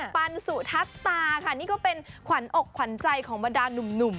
ปันสุทัศตาค่ะนี่ก็เป็นขวัญอกขวัญใจของบรรดาหนุ่ม